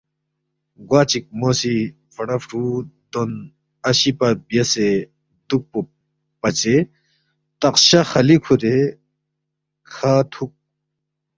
گوا چِک مو سی، فڑا فرُو دون اشی پا بیاسے دُوکپو پژے تخشہ خالی کھُوری کھہ تھُوک